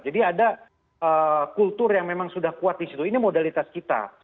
jadi ada kultur yang memang sudah kuat di situ ini modalitas kita